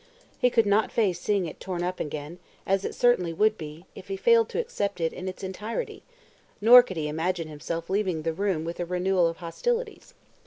He could not face seeing it torn up again, as it certainly would be, if he failed to accept it in its entirety, nor could he imagine himself leaving the room with a renewal of hostilities.